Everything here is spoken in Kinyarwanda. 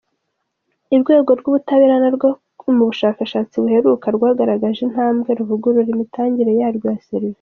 Irwego rw’ubutabera narwo mu bushakashatsi buheruka, rwagaragaje intambwe ruvugurura imitangire yarwo ya serivisi.